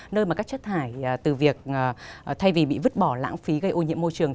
nơi mà các chất thải từ việc thay vì bị vứt bỏ lãng phí gây ô nhiễm môi trường